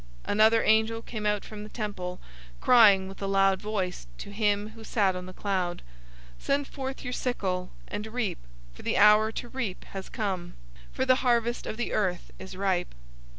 014:015 Another angel came out from the temple, crying with a loud voice to him who sat on the cloud, "Send forth your sickle, and reap; for the hour to reap has come; for the harvest of the earth is ripe!"